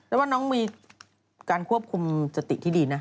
แล้วว่าน้องมีการควบคุมสติที่ดีนะ